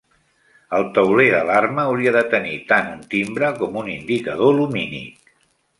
El tauler d'alarma hauria de tenir tant un timbre com un indicador lumínic.